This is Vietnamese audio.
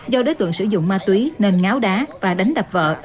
do đối tượng sử dụng ma túy nên ngáo đá và đánh đập vợ